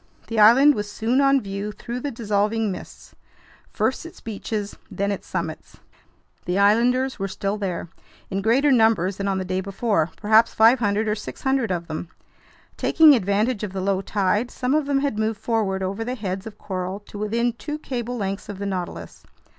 The island was soon on view through the dissolving mists, first its beaches, then its summits. The islanders were still there, in greater numbers than on the day before, perhaps 500 or 600 of them. Taking advantage of the low tide, some of them had moved forward over the heads of coral to within two cable lengths of the Nautilus.